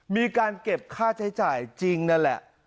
มีการเก็บค่าใช้จ่ายจริงนั่นแหละ